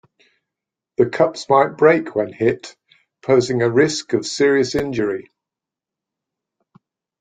The cups might break when hit, posing a risk of serious injury.